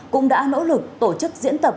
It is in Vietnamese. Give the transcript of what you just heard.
cũng đã nỗ lực tổ chức diễn tập